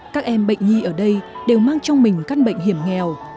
các em bệnh nhi ở đây đều mang trong mình căn bệnh hiểm nghèo